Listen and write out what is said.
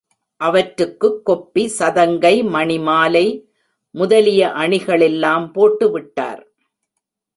அவற்றுக்குக் கொப்பி, சதங்கை, மணிமாலை முதலிய அணிகளெல்லாம் போட்டுவிட்டார்.